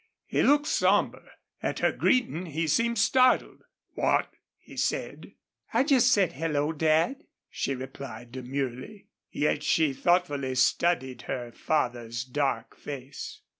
He looked somber. At her greeting he seemed startled. "What?" he said. "I just said, 'Hello, Dad,'" she replied, demurely. Yet she thoughtfully studied her father's dark face.